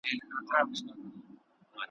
غلیم تر نورو د خپل ضمیر وي ,